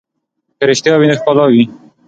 که رښتیا وي نو ښکلا وي.